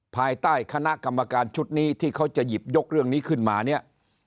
ภายใต้คณะกรรมการชุดนี้ที่เขาจะหยิบยกเรื่องนี้ขึ้นมาเนี่ย